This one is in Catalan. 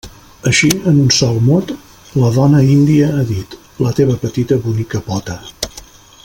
Així, en un sol mot, la dona índia ha dit: la teva petita bonica pota.